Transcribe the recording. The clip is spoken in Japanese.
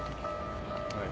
はい。